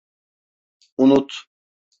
Unut…